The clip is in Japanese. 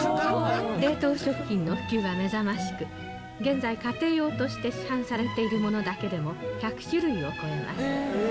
冷凍食品の普及は目覚ましく、現在、家庭用として市販されているものだけでも１００種類を超えます。